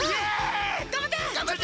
えっ⁉がんばって！